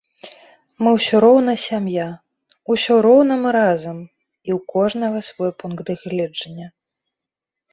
Мы ўсё роўна сям'я, усё роўна мы разам, і ў кожнага свой пункт гледжання.